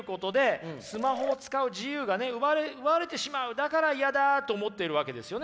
だから嫌だと思ってるわけですよね